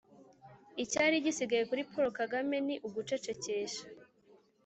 icyari gisigaye kuri paul kagame ni ugucecekesha